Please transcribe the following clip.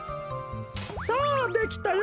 さあできたよ。